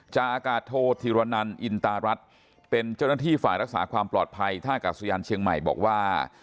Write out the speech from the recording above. อากาศโทษธิรนันอินตารัฐเป็นเจ้าหน้าที่ฝ่ายรักษาความปลอดภัยท่ากาศยานเชียงใหม่บอกว่า